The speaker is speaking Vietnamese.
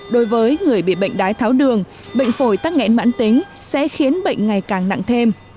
đối với người bị bệnh đái tháo đường bệnh phổi tắc nghẽn mãn tính sẽ khiến bệnh ngày càng nặng thêm